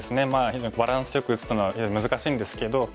非常にバランスよく打つっていうのは非常に難しいんですけど